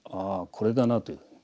これだなというふうに。